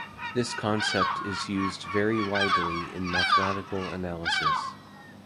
This concept is used very widely in mathematical analysis.